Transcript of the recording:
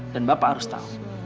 dan bapak harus tahu